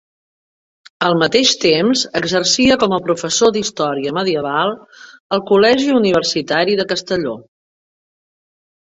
Al mateix temps, exercia com a professor d'Història Medieval al Col·legi Universitari de Castelló.